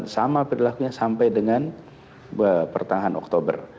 sama perilakunya sampai dengan pertengahan oktober